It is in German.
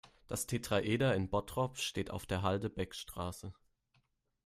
Das Tetraeder in Bottrop steht auf der Halde Beckstraße.